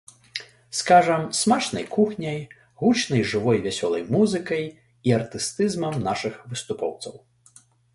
Скажам, смачнай кухняй, гучнай жывой вясёлай музыкай і артыстызмам нашых выступоўцаў.